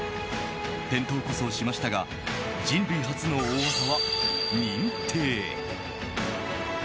転倒こそしましたが人類初の大技は認定。